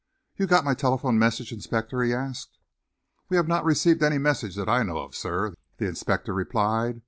"You got my telephone message, inspector?" he asked. "We have not received any message that I know of, sir," the inspector replied.